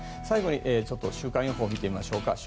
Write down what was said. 最後に週間予報を見てみましょうか。